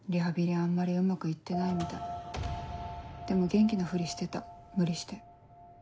あんまりうまく行ってないみたいでも元気なふりしてた無理して。